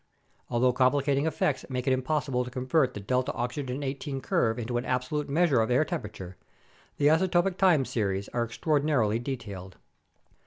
Although complicating effects make it impossible to convert the 8 ls O curve into an absolute measure of air temperature, the isotopic time series are extraordinarily detailed.